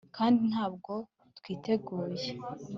kandi ntabwo twiteguye